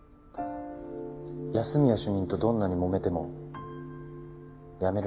安洛主任とどんなにもめても辞めるなよ。